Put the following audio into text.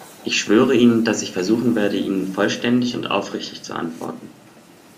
Ich schwöre Ihnen, dass ich versuchen werde, Ihnen vollständig und aufrichtig zu antworten.